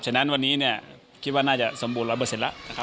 ฉะนั้นวันนี้เนี่ยคิดว่าน่าจะสมบูรณ์๑๐๐ละนะครับ